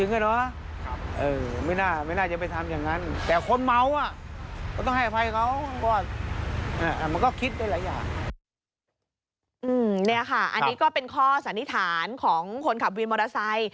นี่ค่ะอันนี้ก็เป็นข้อสันนิษฐานของคนขับวินมอเตอร์ไซค์